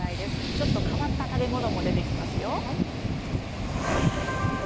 ちょっと変わった食べ物も出てきますよ。